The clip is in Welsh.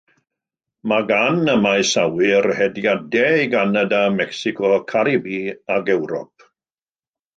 Mae gan y maes awyr hediadau i Ganada, Mecsico, Caribî ac Ewrop.